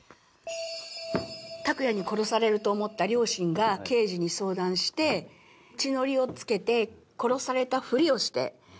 拓哉に殺されると思った両親が刑事に相談して血のりを付けて殺されたふりをしてそれで逮捕させたと。